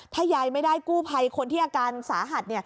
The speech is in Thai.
ถ้ายายไม่ได้กู้ภัยคนที่อาการสาหัส